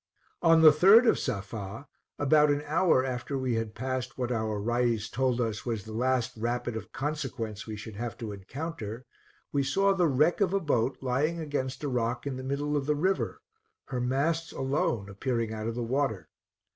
On the 3d of Safa, about an hour after we had passed what our Rais told us was the last rapid of consequence we should have to encounter, we saw the wreck of a boat lying against a rock in the middle of the river, her masts alone appearing out of the water.